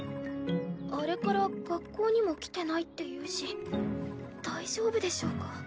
あれから学校にも来てないっていうし大丈夫でしょうか？